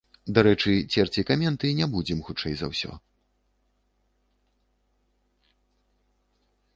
Дарэчы, церці каменты не будзем хутчэй за ўсё.